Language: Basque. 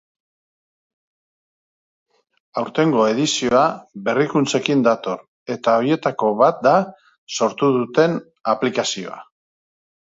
Aurtengo edizioa berrikuntzekin dator, eta horietako bat da sortu duten aplikazioa.